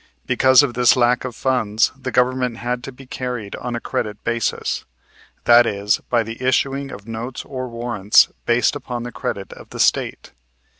Because of this lack of funds the government had to be carried on on a credit basis, that is, by the issuing of notes or warrants based upon the credit of the State.